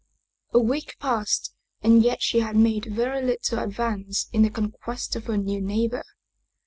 A week passed and yet she had made very little advance in the conquest of her new neighbor.